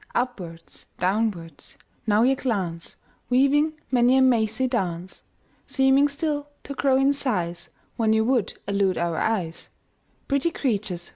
Upwards, downwards, now ye glance, Weaving many a mazy dance; Seeming still to grow in size When ye would elude our eyes Pretty creatures!